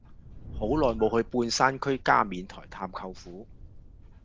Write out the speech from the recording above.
好耐無去半山區加冕台探舅父